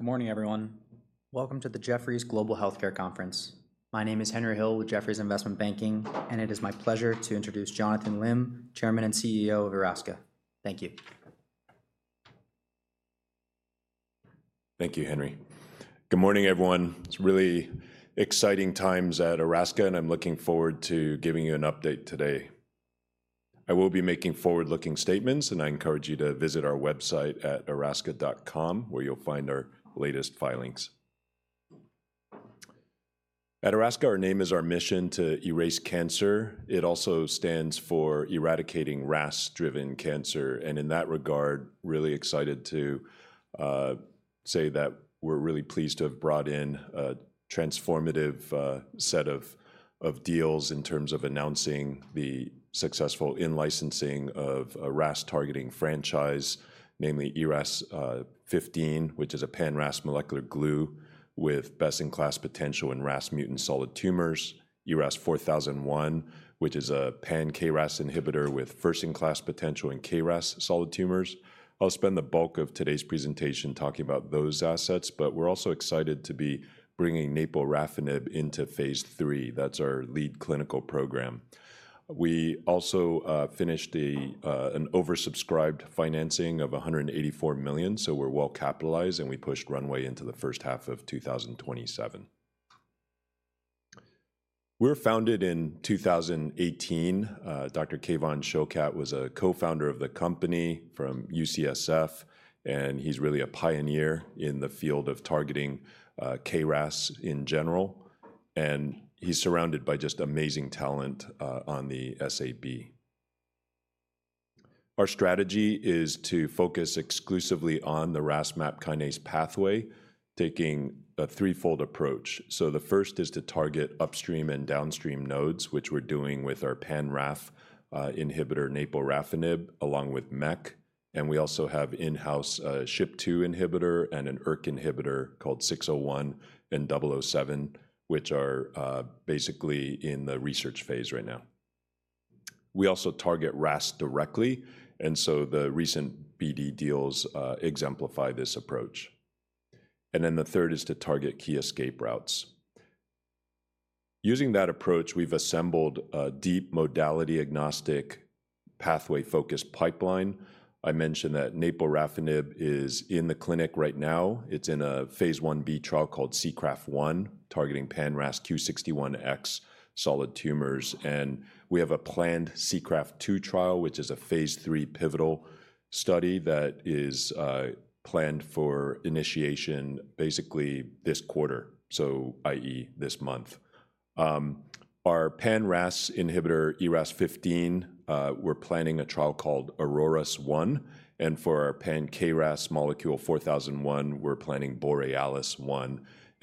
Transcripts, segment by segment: Good morning, everyone. Welcome to the Jefferies Global Healthcare Conference. My name is Henry Hill with Jefferies Investment Banking, and it is my pleasure to introduce Jonathan Lim, Chairman and CEO of Erasca. Thank you. Thank you, Henry. Good morning, everyone. It's really exciting times at Erasca, and I'm looking forward to giving you an update today. I will be making forward-looking statements, and I encourage you to visit our website at erasca.com, where you'll find our latest filings. At Erasca, our name is our mission to erase cancer. It also stands for eradicating RAS-driven cancer. In that regard, really excited to say that we're really pleased to have brought in a transformative set of deals in terms of announcing the successful in-licensing of a RAS-targeting franchise, namely ERAS-0015, which is a pan-RAS molecular glue with best-in-class potential in RAS-mutant solid tumors. ERAS-4001, which is a pan-KRAS inhibitor with first-in-class potential in KRAS solid tumors. I'll spend the bulk of today's presentation talking about those assets, but we're also excited to be bringing naporafenib into phase III. That's our lead clinical program. We also finished an oversubscribed financing of $184 million, so we're well-capitalized, and we pushed runway into the first half of 2027. We were founded in 2018. Dr. Kevan Shokat was a Co-Founder of the company from UCSF, and he's really a pioneer in the field of targeting KRAS in general. And he's surrounded by just amazing talent on the SAB. Our strategy is to focus exclusively on the RAS-MAP kinase pathway, taking a threefold approach. So the first is to target upstream and downstream nodes, which we're doing with our pan-RAS inhibitor, naporafenib, along with MEK. And we also have in-house SHP2 inhibitor and an ERK inhibitor called 601 and 007, which are basically in the research phase right now. We also target RAS directly, and so the recent BD deals exemplify this approach. And then the third is to target key escape routes. Using that approach, we've assembled a deep modality-agnostic, pathway-focused pipeline. I mentioned that naporafenib is in the clinic right now. It's in a phase I-B trial called SEACRAFT-1, targeting pan-RAS Q61X solid tumors. We have a planned SEACRAFT-2 trial, which is a phase III pivotal study that is planned for initiation basically this quarter, so i.e., this month. Our pan-RAS inhibitor, ERAS-0015, we're planning a trial called AURORAS-1. For our pan-KRAS molecule, ERAS-4001, we're planning BOREALIS-1.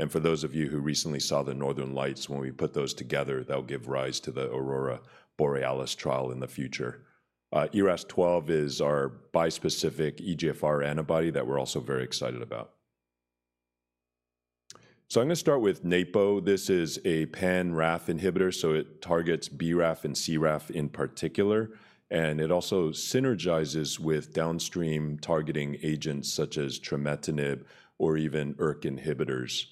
For those of you who recently saw the Northern Lights, when we put those together, that'll give rise to the Aurora Borealis trial in the future. ERAS-12 is our bispecific EGFR antibody that we're also very excited about. So I'm going to start with naporafenib. This is a pan-RAF inhibitor, so it targets BRAF and CRAF in particular. It also synergizes with downstream targeting agents such as trametinib or even ERK inhibitors.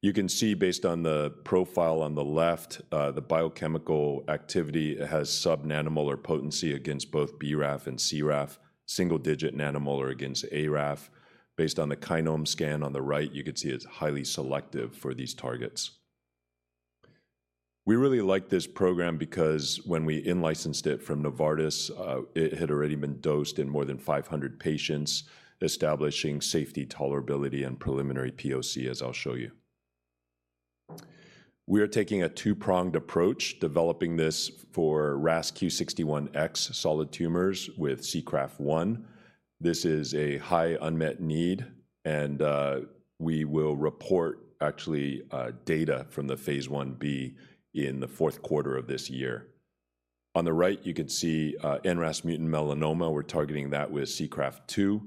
You can see, based on the profile on the left, the biochemical activity has sub-nanomolar potency against both BRAF and CRAF, single-digit nanomolar against ARAF. Based on the KINOMEscan on the right, you can see it's highly selective for these targets. We really like this program because when we in-licensed it from Novartis, it had already been dosed in more than 500 patients, establishing safety, tolerability, and preliminary POC, as I'll show you. We are taking a two-pronged approach, developing this for RAS Q61X solid tumors with SEACRAFT-1. This is a high unmet need, and we will report, actually, data from the phase 1b in the fourth quarter of this year. On the right, you can see NRAS mutant melanoma. We're targeting that with SEACRAFT-2.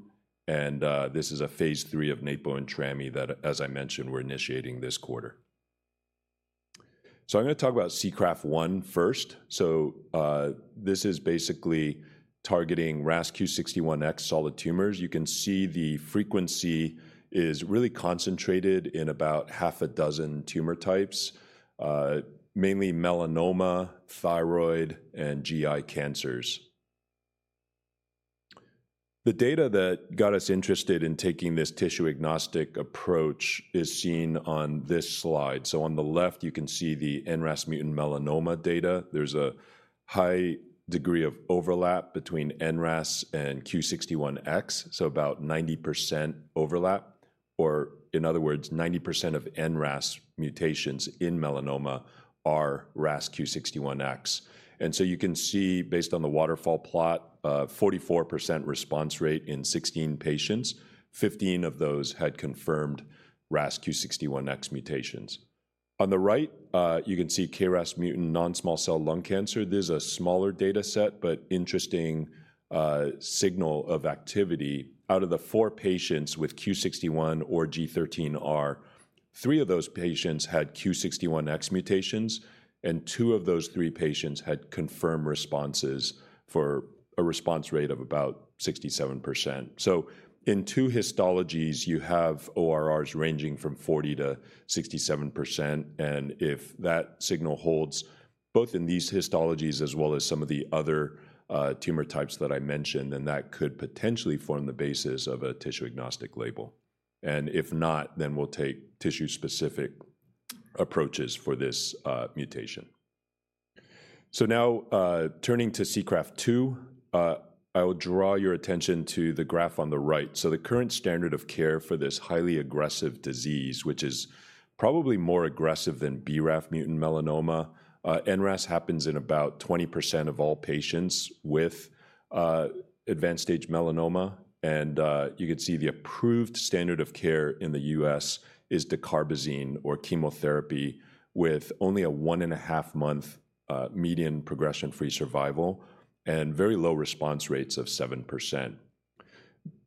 This is a phase III of naporafenib and trametinib that, as I mentioned, we're initiating this quarter. So I'm going to talk about SEACRAFT-1 first. So this is basically targeting RAS Q61X solid tumors. You can see the frequency is really concentrated in about half a dozen tumor types, mainly melanoma, thyroid, and GI cancers. The data that got us interested in taking this tissue-agnostic approach is seen on this slide. So on the left, you can see the NRAS mutant melanoma data. There's a high degree of overlap between NRAS and Q61X, so about 90% overlap, or in other words, 90% of NRAS mutations in melanoma are RAS Q61X. And so you can see, based on the waterfall plot, 44% response rate in 16 patients. 15 of those had confirmed RAS Q61X mutations. On the right, you can see KRAS mutant non-small cell lung cancer. This is a smaller data set, but interesting signal of activity. Out of the four patients with Q61 or G13R, three of those patients had Q61X mutations, and two of those three patients had confirmed responses for a response rate of about 67%. So in two histologies, you have ORRs ranging from 40%-67%. And if that signal holds both in these histologies as well as some of the other tumor types that I mentioned, then that could potentially form the basis of a tissue-agnostic label. And if not, then we'll take tissue-specific approaches for this mutation. So now, turning to SEACRAFT-2, I'll draw your attention to the graph on the right. So the current standard of care for this highly aggressive disease, which is probably more aggressive than BRAF mutant melanoma, NRAS happens in about 20% of all patients with advanced-stage melanoma. You can see the approved standard of care in the US is dacarbazine or chemotherapy with only a 1.5-month median progression-free survival and very low response rates of 7%.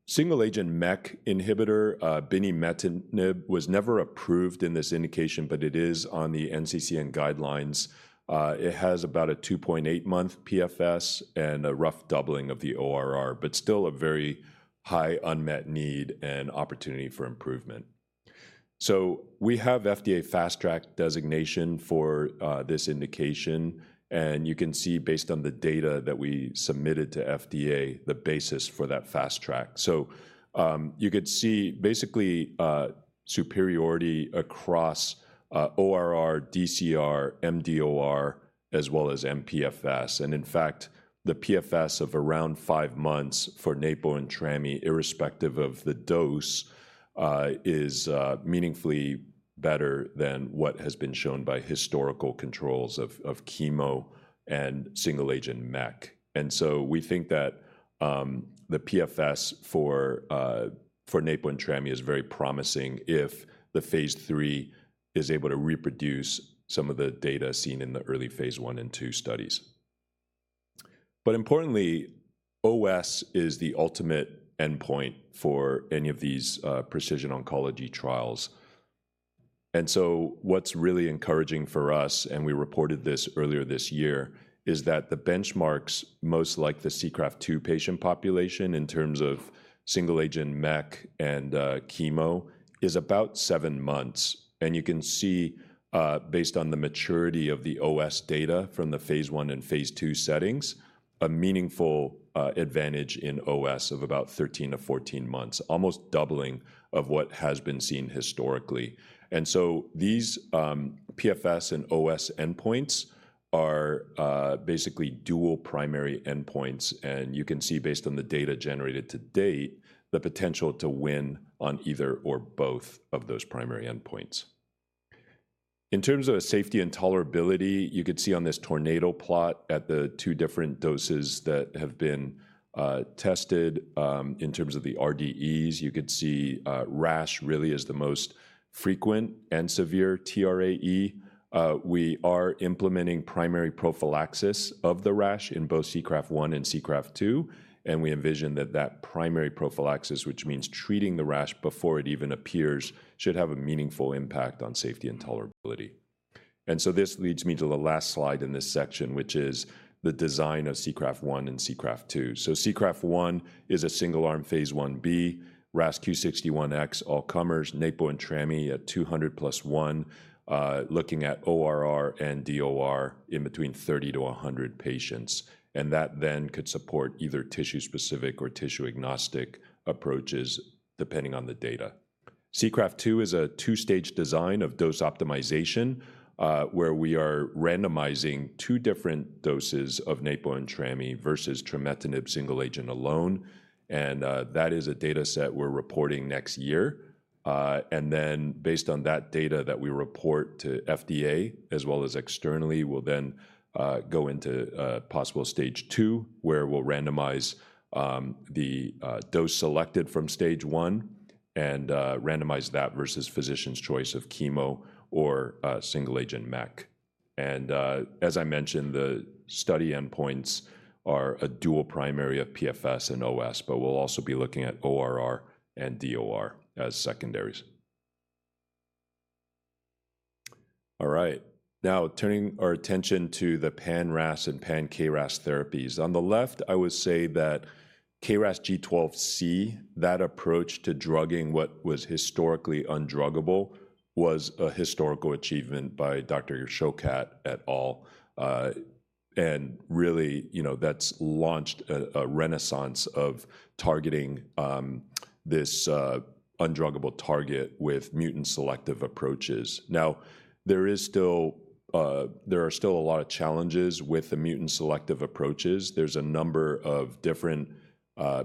Single-agent MEK inhibitor, binimetinib, was never approved in this indication, but it is on the NCCN guidelines. It has about a 2.8-month PFS and a rough doubling of the ORR, but still a very high unmet need and opportunity for improvement. So we have FDA FastTrack designation for this indication. And you can see, based on the data that we submitted to FDA, the basis for that FastTrack. So you could see basically superiority across ORR, DCR, mDOR, as well as mPFS. And in fact, the PFS of around five months for naporafenib and trametinib, irrespective of the dose, is meaningfully better than what has been shown by historical controls of chemo and single-agent MEK. We think that the PFS for naporafenib and trametinib is very promising if the phase III is able to reproduce some of the data seen in the early phase I and II studies. But importantly, OS is the ultimate endpoint for any of these precision oncology trials. What's really encouraging for us, and we reported this earlier this year, is that the benchmarks most like the SEACRAFT-2 patient population in terms of single-agent MEK and chemo is about seven months. You can see, based on the maturity of the OS data from the phase I and II settings, a meaningful advantage in OS of about 13-14 months, almost doubling of what has been seen historically. These PFS and OS endpoints are basically dual primary endpoints. You can see, based on the data generated to date, the potential to win on either or both of those primary endpoints. In terms of safety and tolerability, you could see on this tornado plot at the two different doses that have been tested. In terms of the RDEs, you could see rash really is the most frequent and severe TRAE. We are implementing primary prophylaxis of the rash in both SEACRAFT-1 and SEACRAFT-2. We envision that that primary prophylaxis, which means treating the rash before it even appears, should have a meaningful impact on safety and tolerability. So this leads me to the last slide in this section, which is the design of SEACRAFT-1 and SEACRAFT-2. SEACRAFT-1 is a single-arm, phase 1b, RAS Q61X all-comers, naporafenib and trametinib at 200 + 1, looking at ORR and DOR in between 30-100 patients. And that then could support either tissue-specific or tissue-agnostic approaches, depending on the data. SEACRAFT-2 is a two-stage design of dose optimization, where we are randomizing two different doses of naporafenib and trametinib versus trametinib single-agent alone. And that is a data set we're reporting next year. And then, based on that data that we report to FDA as well as externally, we'll then go into possible stage two, where we'll randomize the dose selected from stage one and randomize that versus physician's choice of chemo or single-agent MEK. And as I mentioned, the study endpoints are a dual primary of PFS and OS, but we'll also be looking at ORR and DOR as secondaries. All right. Now, turning our attention to the pan-RAS and pan-KRAS therapies. On the left, I would say that KRAS G12C, that approach to drugging what was historically undruggable, was a historical achievement by Dr. Shokat et al. Really, you know, that's launched a renaissance of targeting this undruggable target with mutant selective approaches. Now, there are still a lot of challenges with the mutant selective approaches. There's a number of different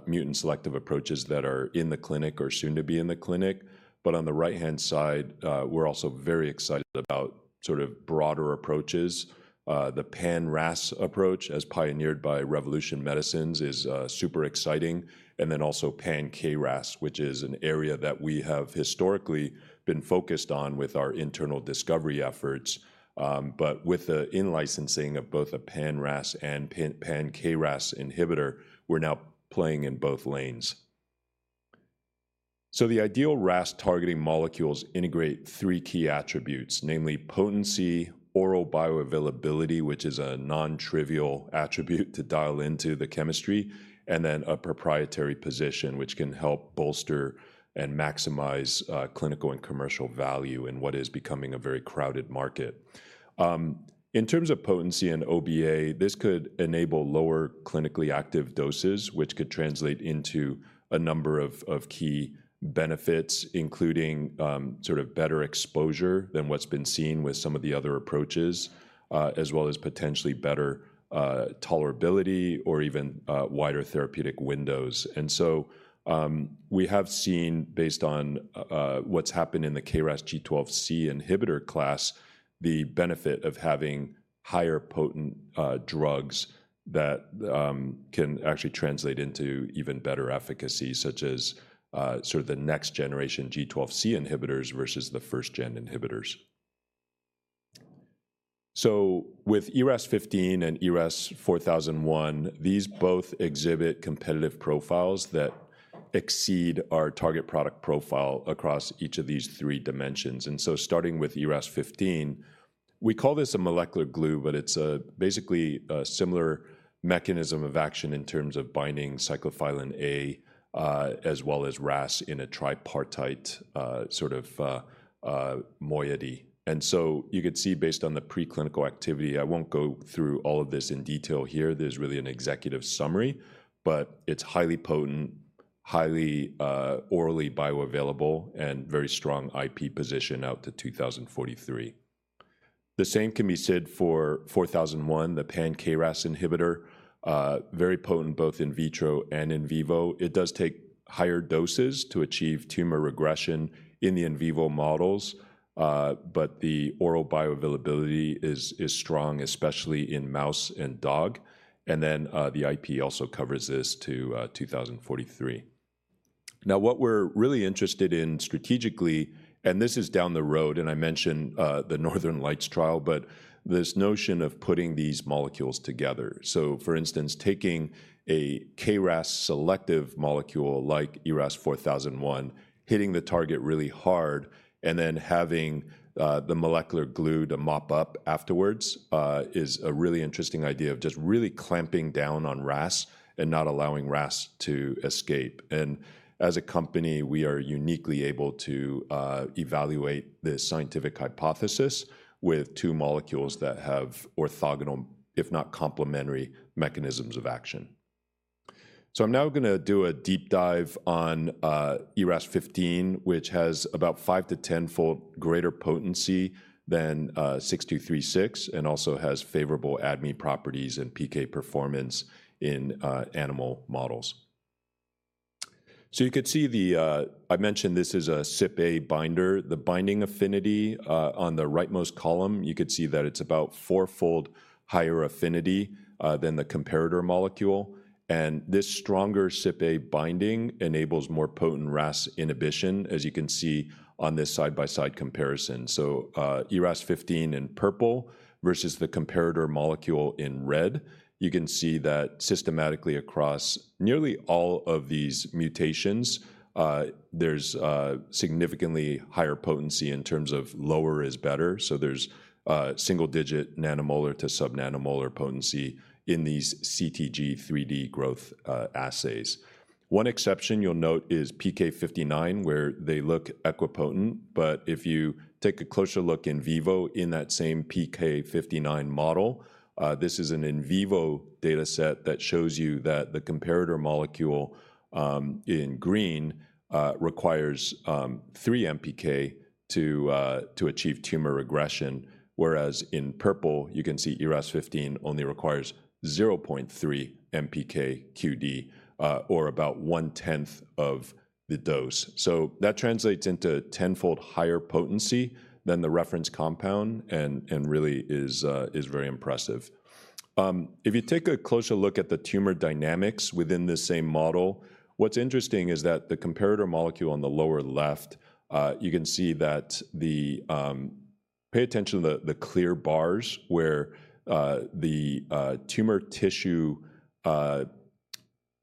mutant selective approaches that are in the clinic or soon to be in the clinic. But on the right-hand side, we're also very excited about sort of broader approaches. The pan-RAS approach, as pioneered by Revolution Medicines, is super exciting. And then also pan-KRAS, which is an area that we have historically been focused on with our internal discovery efforts. But with the in-licensing of both a pan-RAS and pan-KRAS inhibitor, we're now playing in both lanes. So the ideal RAS targeting molecules integrate three key attributes, namely potency, oral bioavailability, which is a non-trivial attribute to dial into the chemistry, and then a proprietary position, which can help bolster and maximize clinical and commercial value in what is becoming a very crowded market. In terms of potency and OBA, this could enable lower clinically active doses, which could translate into a number of key benefits, including sort of better exposure than what's been seen with some of the other approaches, as well as potentially better tolerability or even wider therapeutic windows. And so we have seen, based on what's happened in the KRAS G12C inhibitor class, the benefit of having higher potent drugs that can actually translate into even better efficacy, such as sort of the next-generation G12C inhibitors versus the first-gen inhibitors. So with ERAS-0015 and ERAS-4001, these both exhibit competitive profiles that exceed our target product profile across each of these three dimensions. And so starting with ERAS-0015, we call this a molecular glue, but it's basically a similar mechanism of action in terms of binding cyclophilin A as well as RAS in a tripartite sort of moiety. And so you could see, based on the preclinical activity, I won't go through all of this in detail here. There's really an executive summary, but it's highly potent, highly orally bioavailable, and very strong IP position out to 2043. The same can be said for 4001, the pan-KRAS inhibitor, very potent both in vitro and in vivo. It does take higher doses to achieve tumor regression in the in vivo models, but the oral bioavailability is strong, especially in mouse and dog. And then the IP also covers this to 2043. Now, what we're really interested in strategically, and this is down the road, and I mentioned the Northern Lights trial, but this notion of putting these molecules together. So for instance, taking a KRAS selective molecule like ERAS-4001, hitting the target really hard, and then having the molecular glue to mop up afterwards is a really interesting idea of just really clamping down on RAS and not allowing RAS to escape. And as a company, we are uniquely able to evaluate this scientific hypothesis with two molecules that have orthogonal, if not complementary, mechanisms of action. So I'm now going to do a deep dive on ERAS-0015, which has about five to 10-fold greater potency than 6236 and also has favorable ADME properties and PK performance in animal models. So you could see, I mentioned, this is a CypA binder. The binding affinity on the rightmost column, you could see that it's about four-fold higher affinity than the comparator molecule. This stronger CypA binding enables more potent RAS inhibition, as you can see on this side-by-side comparison. ERAS-0015 in purple versus the comparator molecule in red, you can see that systematically across nearly all of these mutations, there's significantly higher potency in terms of lower is better. There's single-digit nanomolar to subnanomolar potency in these CTG3D growth assays. One exception you'll note is PK-59, where they look equipotent. But if you take a closer look in vivo in that same PK-59 model, this is an in vivo data set that shows you that the comparator molecule in green requires 3 MPK to achieve tumor regression, whereas in purple, you can see ERAS-0015 only requires 0.3 MPK QD, or about 1/10 of the dose. So that translates into 10-fold higher potency than the reference compound and really is very impressive. If you take a closer look at the tumor dynamics within this same model, what's interesting is that the comparator molecule on the lower left, you can see that. Pay attention to the clear bars where the tumor tissue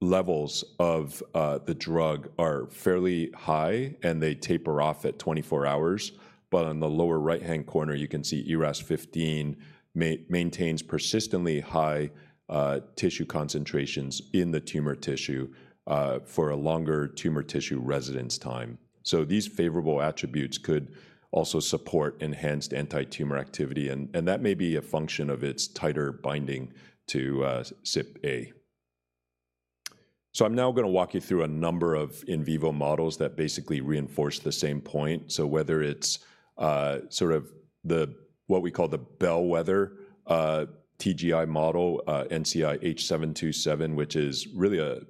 levels of the drug are fairly high, and they taper off at 24 hours. But on the lower right-hand corner, you can see ERAS-0015 maintains persistently high tissue concentrations in the tumor tissue for a longer tumor tissue residence time. So these favorable attributes could also support enhanced anti-tumor activity. And that may be a function of its tighter binding to CypA. So I'm now going to walk you through a number of in vivo models that basically reinforce the same point. So whether it's sort of what we call the bellwether TGI model, NCI-H727, which is really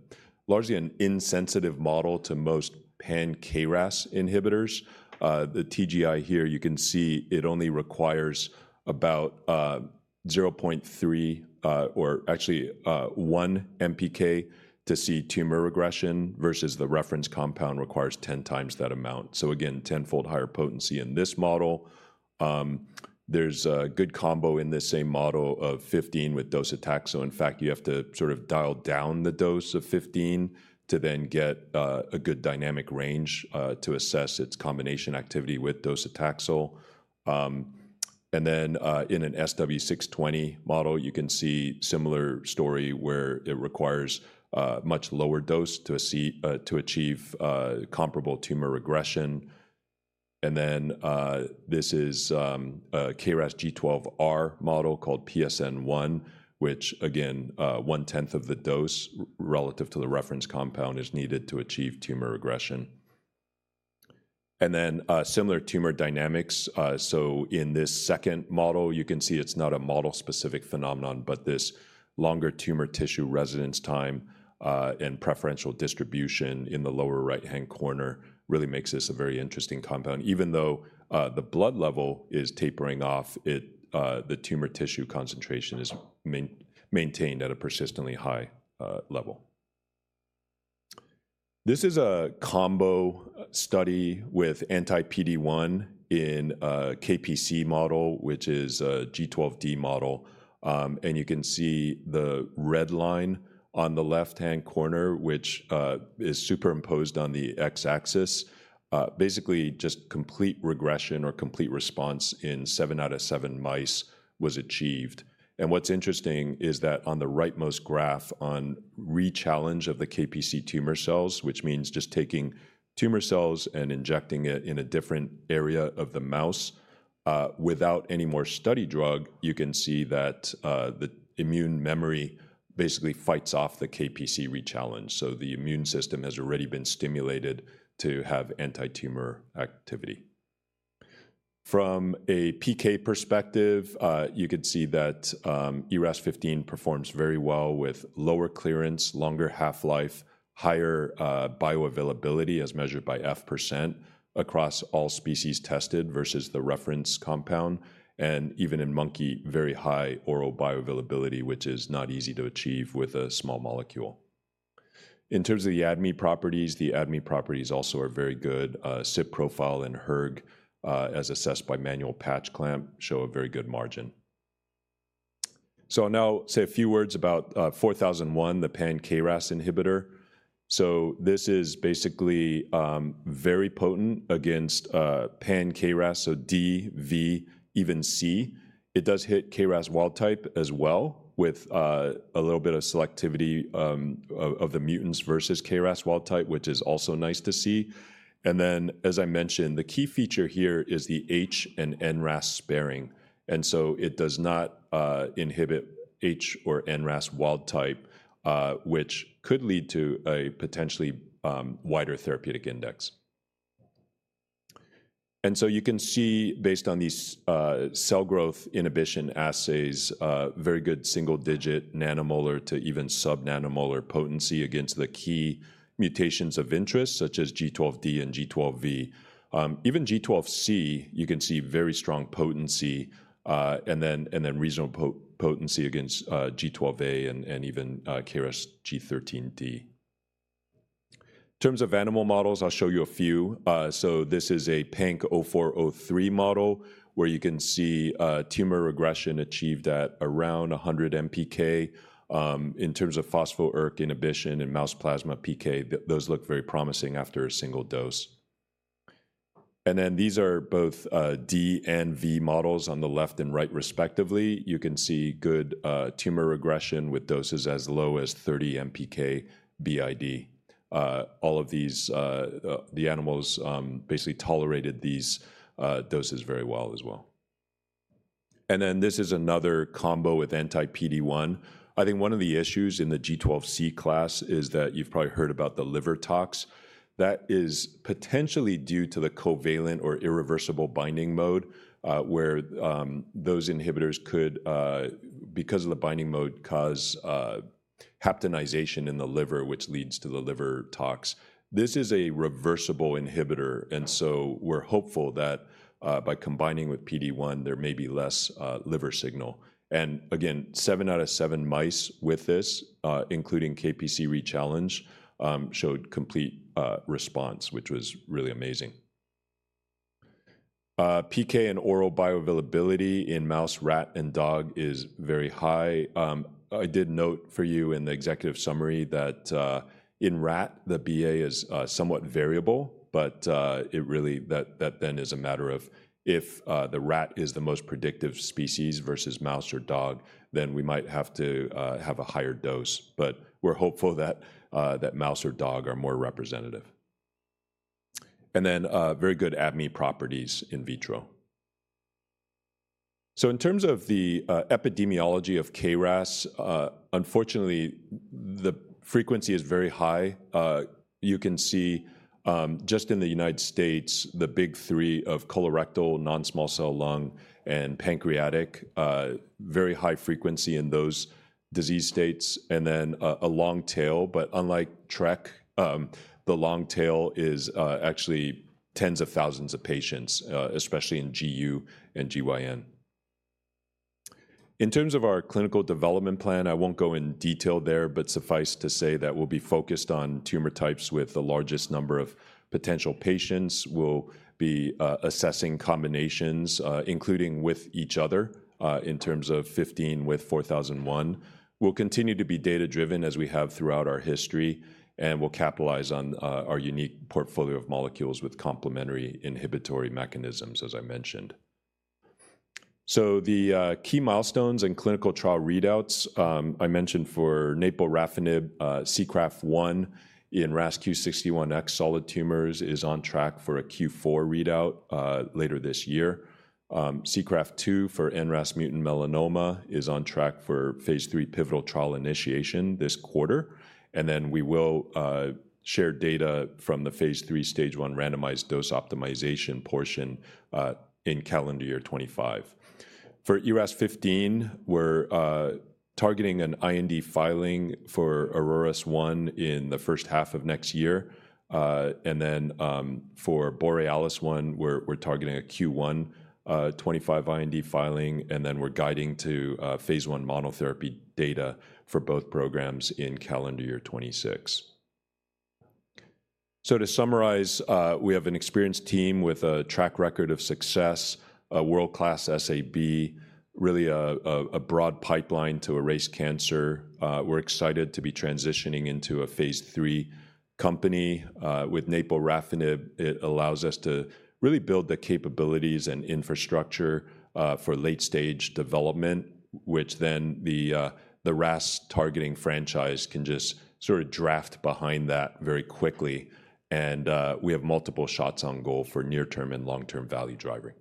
largely an insensitive model to most pan-KRAS inhibitors. The TGI here, you can see it only requires about 0.3, or actually 1 MPK to see tumor regression, versus the reference compound requires 10 times that amount. So again, 10-fold higher potency in this model. There's a good combo in this same model of 15 with docetaxel. In fact, you have to sort of dial down the dose of 15 to then get a good dynamic range to assess its combination activity with docetaxel. And then in an SW620 model, you can see a similar story where it requires a much lower dose to achieve comparable tumor regression. This is a KRAS G12R model called PSN-1, which, again, 1/10 of the dose relative to the reference compound is needed to achieve tumor regression. Similar tumor dynamics. So in this second model, you can see it's not a model-specific phenomenon, but this longer tumor tissue residence time and preferential distribution in the lower right-hand corner really makes this a very interesting compound. Even though the blood level is tapering off, the tumor tissue concentration is maintained at a persistently high level. This is a combo study with anti-PD-1 in a KPC model, which is a G12D model. You can see the red line on the left-hand corner, which is superimposed on the x-axis, basically just complete regression or complete response in seven out of seven mice was achieved. What's interesting is that on the rightmost graph, on re-challenge of the KPC tumor cells, which means just taking tumor cells and injecting it in a different area of the mouse without any more study drug, you can see that the immune memory basically fights off the KPC re-challenge. So the immune system has already been stimulated to have anti-tumor activity. From a PK perspective, you could see that ERAS-15 performs very well with lower clearance, longer half-life, higher bioavailability as measured by F% across all species tested versus the reference compound. And even in monkey, very high oral bioavailability, which is not easy to achieve with a small molecule. In terms of the ADME properties, the ADME properties also are very good. CYP profile and hERG, as assessed by manual patch clamp, show a very good margin. So I'll now say a few words about 4001, the pan-KRAS inhibitor. So this is basically very potent against pan-KRAS, so D, V, even C. It does hit KRAS wild type as well with a little bit of selectivity of the mutants versus KRAS wild type, which is also nice to see. And then, as I mentioned, the key feature here is the HRAS and NRAS sparing. And so it does not inhibit HRAS or NRAS wild type, which could lead to a potentially wider therapeutic index. And so you can see, based on these cell growth inhibition assays, very good single-digit nanomolar to even subnanomolar potency against the key mutations of interest, such as G12D and G12V. Even G12C, you can see very strong potency and then reasonable potency against G12A and even KRAS G13D. In terms of animal models, I'll show you a few. So this is a Panc 04.03 model, where you can see tumor regression achieved at around 100 MPK. In terms of phospho-ERK inhibition and mouse plasma PK, those look very promising after a single dose. And then these are both D and V models on the left and right, respectively. You can see good tumor regression with doses as low as 30 MPK BID. All of these, the animals basically tolerated these doses very well as well. And then this is another combo with anti-PD-1. I think one of the issues in the G12C class is that you've probably heard about the liver tox. That is potentially due to the covalent or irreversible binding mode, where those inhibitors could, because of the binding mode, cause haptenization in the liver, which leads to the liver tox. This is a reversible inhibitor. We're hopeful that by combining with PD1, there may be less liver signal. Again, seven out of seven mice with this, including KPC re-challenge, showed complete response, which was really amazing. PK and oral bioavailability in mouse, rat, and dog is very high. I did note for you in the executive summary that in rat, the BA is somewhat variable. It really, that then is a matter of if the rat is the most predictive species versus mouse or dog, then we might have to have a higher dose. We're hopeful that mouse or dog are more representative. Then very good ADME properties in vitro. In terms of the epidemiology of KRAS, unfortunately, the frequency is very high. You can see just in the United States, the big three of colorectal, non-small cell lung, and pancreatic, very high frequency in those disease states. And then a long tail. But unlike TRK, the long tail is actually tens of thousands of patients, especially in GU and GYN. In terms of our clinical development plan, I won't go in detail there, but suffice to say that we'll be focused on tumor types with the largest number of potential patients. We'll be assessing combinations, including with each other in terms of 15 with 4001. We'll continue to be data-driven, as we have throughout our history. And we'll capitalize on our unique portfolio of molecules with complementary inhibitory mechanisms, as I mentioned. So the key milestones and clinical trial readouts I mentioned for naporafenib, SEACRAFT-1 in RAS Q61X solid tumors is on track for a Q4 readout later this year. SEACRAFT-2 for NRAS mutant melanoma is on track for phase III pivotal trial initiation this quarter. And then we will share data from the phase III stage 1 randomized dose optimization portion in calendar year 2025. For ERAS-15, we're targeting an IND filing for AURORAS-1 in the first half of next year. And then for BOREALIS-1, we're targeting a Q1 2025 IND filing. And then we're guiding to phase I monotherapy data for both programs in calendar year 2026. So to summarize, we have an experienced team with a track record of success, a world-class SAB, really a broad pipeline to erase cancer. We're excited to be transitioning into a phase III company. With naporafenib, it allows us to really build the capabilities and infrastructure for late-stage development, which then the RAS-targeting franchise can just sort of draft behind that very quickly. And we have multiple shots on goal for near-term and long-term value driving.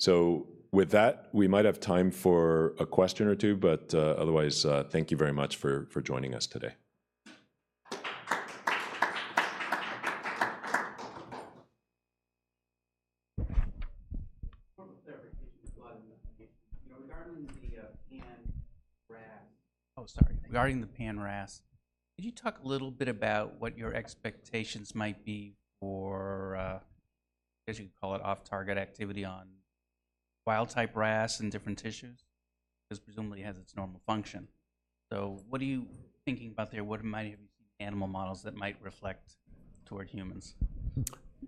So with that, we might have time for a question or two. But otherwise, thank you very much for joining us today. Oh, sorry. Regarding the pan-RAS, could you talk a little bit about what your expectations might be for, I guess you could call it, off-target activity on wild-type RAS in different tissues? Because presumably it has its normal function. So what are you thinking about there? What might have you seen in animal models that might reflect toward humans?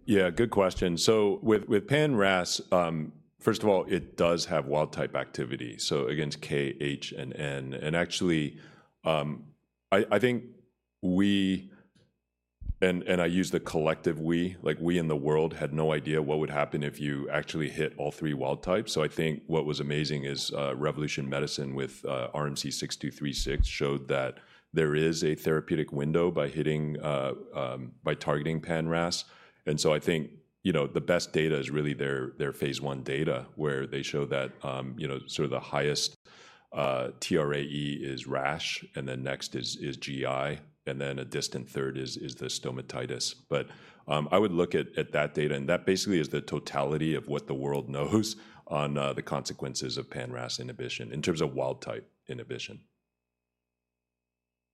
Yeah, good question. So with pan-RAS, first of all, it does have wild-type activity, so against K, H, and N. And actually, I think we, and I use the collective we, like we in the world had no idea what would happen if you actually hit all three wild types. So I think what was amazing is Revolution Medicines with RMC-6236 showed that there is a therapeutic window by targeting pan-RAS. And so I think the best data is really their phase I data, where they show that sort of the highest TRAE is rash, and then next is GI, and then a distant third is the stomatitis. But I would look at that data. And that basically is the totality of what the world knows on the consequences of pan-RAS inhibition in terms of wild-type inhibition.